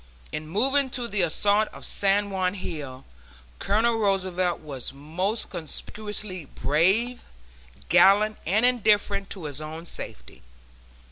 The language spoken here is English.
In moving to the assault of San Juan Hill, Colonel Roosevelt was most conspicuously brave, gallant and indifferent to his own safety.